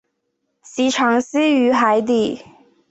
其常栖息于海底。